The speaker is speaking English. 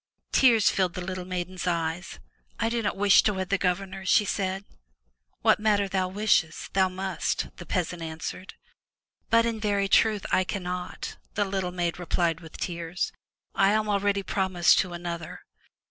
*' Tears filled the little maiden's eyes. "I do not wish to wed the Governor," she said. " What matter thy wishes? Thou must, '* the peasant answered. "But, in very truth, I cannot," the little maid replied with tears. "I am already promised to another.